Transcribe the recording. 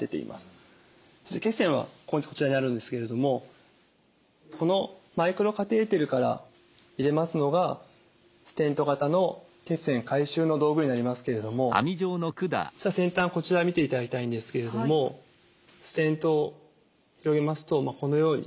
そして血栓はこちらになるんですけれどもこのマイクロカテーテルから入れますのがステント型の血栓回収の道具になりますけれども先端こちら見ていただきたいんですけれどもステントを広げますとこのように。